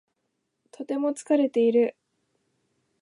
とても疲れている。